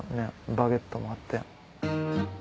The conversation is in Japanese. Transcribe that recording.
バゲットもあって。